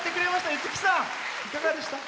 五木さん、いかがでした？